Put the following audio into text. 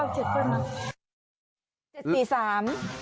๒๙๗เท่านั้น